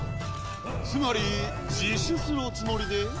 つまり自首するおつもりで？